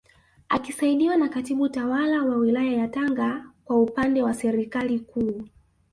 Akisaidiwa na Katibu Tawala wa Wilaya ya Tanga kwa upande wa Serikali Kuu